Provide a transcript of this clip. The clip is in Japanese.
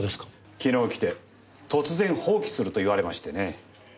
昨日来て突然放棄すると言われましてね。